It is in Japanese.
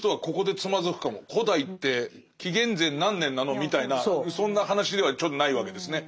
「古代」って紀元前何年なのみたいなそんな話ではちょっとないわけですね。